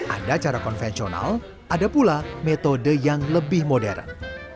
ada cara konvensional ada pula metode yang lebih modern